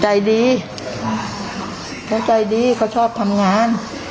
ใจดีเขาใจดีเขาชอบทำงาน